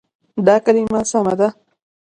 دا کلمه سمه ده.